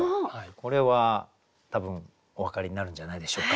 これは多分お分かりになるんじゃないでしょうか？